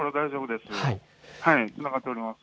つながっております。